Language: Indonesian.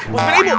bawa sepeda ibu